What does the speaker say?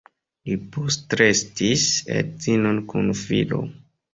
Li postrestis edzinon kun filo.